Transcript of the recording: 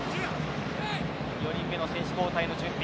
４人目の選手交代の準備